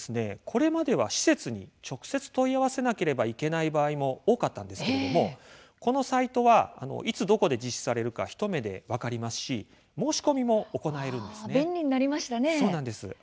これまでは施設に直接問い合わせなければいけない場合も多かったんですけれどもこのサイトはいつどこで実施されるか一目で分かりますし申し込みも行えるんですね。